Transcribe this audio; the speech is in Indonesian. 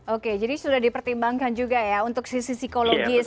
oke jadi sudah dipertimbangkan juga ya untuk sisi psikologis